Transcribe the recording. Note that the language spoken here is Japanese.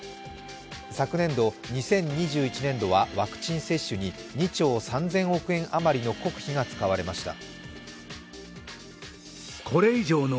昨年度、２０２１年度はワクチン接種に２兆３０００億円余りの国費が使われました。